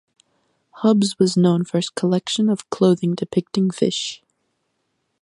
Hubbs was known for his collection of clothing depicting fish.